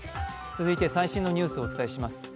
続いて最新のニュースをお伝えします。